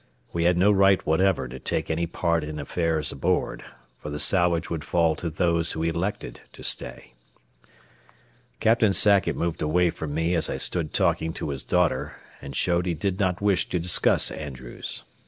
We had no right whatever to take any part in affairs aboard, for the salvage would fall to those who elected to stay. Captain Sackett moved away from me as I stood talking to his daughter and showed he did not wish to discuss Andrews.